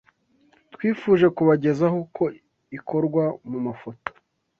twifuje kubagezaho uko ikorwa mu mafoto